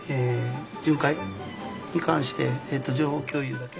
巡回に関して情報共有だけ。